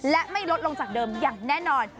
และไม่ลดลงจากเดิมอย่างแน่นอน